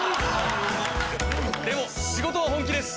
でも仕事は本気です。